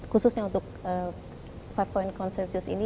khususnya untuk five point consensus ini